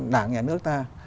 đảng nhà nước ta